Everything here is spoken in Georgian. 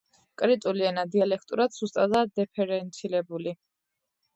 კრიწული ენა დიალექტურად სუსტადაა დიფერენცირებული.